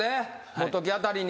元木あたりに。